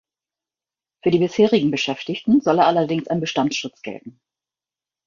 Für die bisherigen Beschäftigten solle allerdings ein Bestandsschutz gelten.